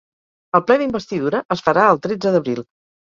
El ple d’investidura es farà el tretze d’abril.